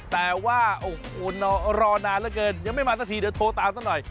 แต่ว่ารอนานเกินยังไม่มาสักทีเดี๋ยวโทรตามสักหน่อย